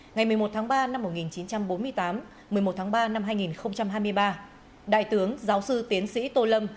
ngày một mươi một tháng ba năm một nghìn chín trăm bốn mươi tám một mươi một tháng ba năm hai nghìn hai mươi ba đại tướng giáo sư tiến sĩ tô lâm